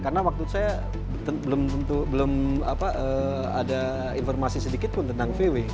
karena waktu itu saya belum ada informasi sedikit pun tentang vw